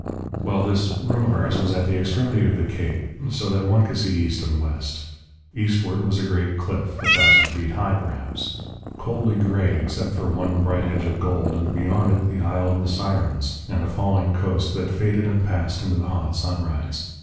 "Well, this room of ours was at the extremity of the cape, so that one could see east and west. Eastward was a great cliff a thousand feet high perhaps coldly grey except for one bright edge of gold, and beyond it the Isle of the Sirens, and a falling coast that faded and passed into the hot sunrise.